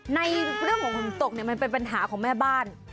ในเรื่องของฝนตกเนี่ยมันเป็นปัญหาของแม่บ้าน